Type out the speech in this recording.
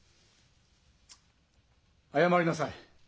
謝りなさい。